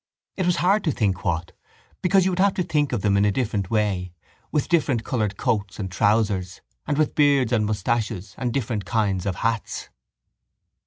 It was hard to think what because you would have to think of them in a different way with different coloured coats and trousers and with beards and moustaches and different kinds of hats.